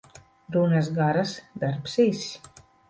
Runas garas, darbs īss.